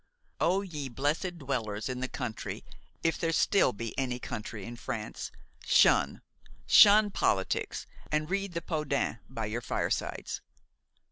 O ye blessed dwellers in the country, if there still be any country in France, shun, shun politics, and read the Peau d'Ane by your firesides!